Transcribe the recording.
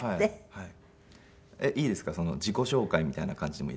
はい。